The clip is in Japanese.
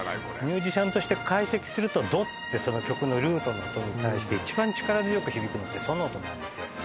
これミュージシャンとして解析するとドってその曲のルートの音に対して一番力強く響くのってソの音なんですよ